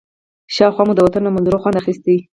شاوخوا مو د وطن له منظرو خوند اخيسته.